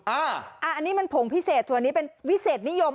อันนี้มันผงพิเศษส่วนนี้เป็นวิเศษนิยม